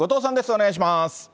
お願いします。